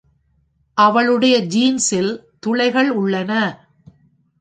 அவளுடைய ஜீன்ஸ்-ல் துளைகள் உள்ளன.